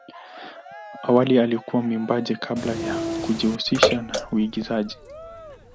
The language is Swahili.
Awali alikuwa mwimbaji kabla ya kujihusisha na uigizaji.